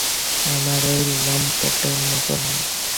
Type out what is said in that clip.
আমরা এই লম্পটের মত নই।